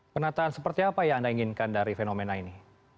penataan seperti apa yang anda inginkan dari fenomena ini